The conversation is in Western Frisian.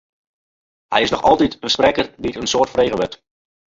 Hy is noch altyd in sprekker dy't in soad frege wurdt.